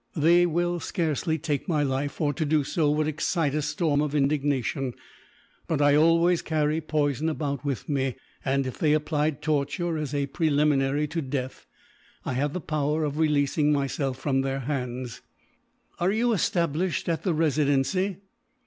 They will scarcely take my life, for to do so would excite a storm of indignation; but I always carry poison about with me and, if they applied torture as a preliminary to death, I have the power of releasing myself from their hands. "Are you established at the Residency?"